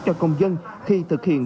cho công dân khi thực hiện